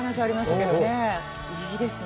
いいですね。